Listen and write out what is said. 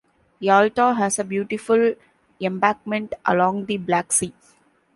Yalta has a beautiful embankment along the Black Sea.